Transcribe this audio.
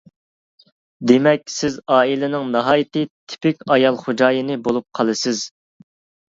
دېمەك، سىز ئائىلىنىڭ ناھايىتى تىپىك ئايال خوجايىنى بولۇپ قالىسىز.